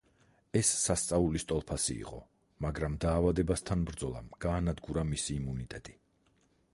ეს სასწაულის ტოლფასი იყო, მაგრამ დაავადებასთან ბრძოლამ გაანადგურა მისი იმუნიტეტი.